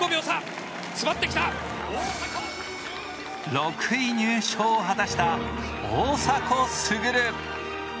６位入賞を果たした大迫傑。